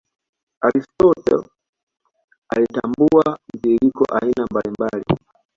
Aristotle alitambua mtiririko aina mbali mbali